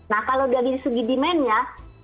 nah kalau dari segi demandnya